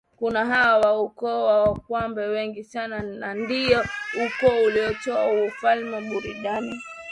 Kuna waha wa ukoo wa waganwa wengi sana na ndio ukoo uliotoa wafalme Burundi